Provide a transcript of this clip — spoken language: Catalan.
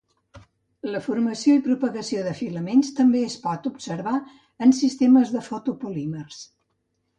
La formació i propagació de filaments també es pot observar en sistemes de foto-polímers.